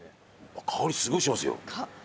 香りすごいしますよ。